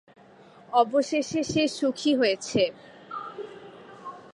অবশেষে সে সুখী হয়েছে।